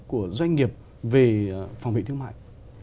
của doanh nghiệp về phòng vệ thương mại